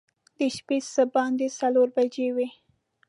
د شپې څه باندې څلور بجې وې.